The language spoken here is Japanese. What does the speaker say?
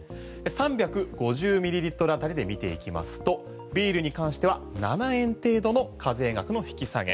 ３５０ミリリットルあたりで見ていきますとビールに関しては７円程度の課税額の引き下げ。